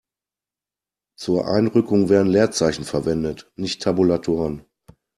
Zur Einrückung werden Leerzeichen verwendet, nicht Tabulatoren.